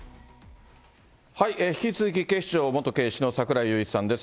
引き続き警視庁元警視の櫻井裕一さんです。